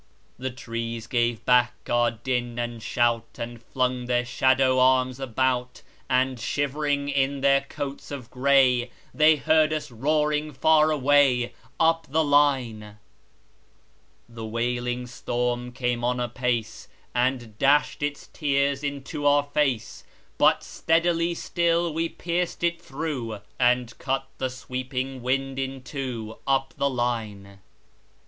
The trees gave back our din and shout, And flung their shadow arms about; And shivering in their coats of gray, They heard us roaring far away, Up the line. The wailing storm came on apace, And dashed its tears into our fade; But steadily still we pierced it through, And cut the sweeping wind in two, Up the line.